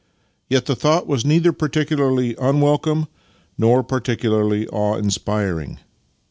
Yet the thought was neither particularly unwelcome nor particularly awe inspiring.